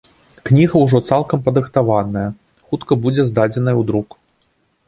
Кніга ўжо цалкам падрыхтаваная, хутка будзе здадзеная ў друк.